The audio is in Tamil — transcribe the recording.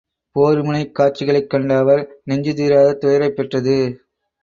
போர் முனைக் காட்சிகளைக் கண்ட அவர் நெஞ்சு தீராத துயரைப் பெற்றது.